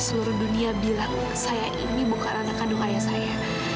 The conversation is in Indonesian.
seluruh dunia bilang saya ini bukan anak kandung ayah saya